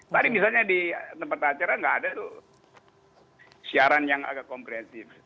tadi misalnya di tempat acara nggak ada tuh siaran yang agak komprehensif